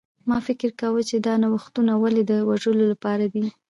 ما فکر کاوه چې دا نوښتونه ولې د وژلو لپاره دي